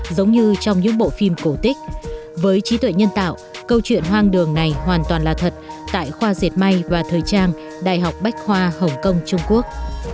giống như trong những bộ phim cổ tích với trí tuệ nhân tạo câu chuyện hoang đường này hoàn toàn là thật tại khoa diệt may và thời trang đại học bách khoa hồng kông trung quốc